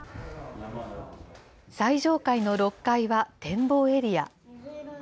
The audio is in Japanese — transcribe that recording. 最上階の６階は展望エリア。